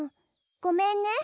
ごめんね。